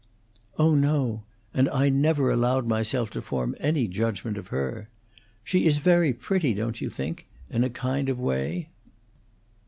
"Oh no. And I never allowed myself to form any judgment of her. She is very pretty, don't you think, in a kind of way?"